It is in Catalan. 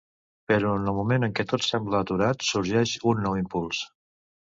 Però en el moment en què tot sembla aturat sorgeix un nou impuls.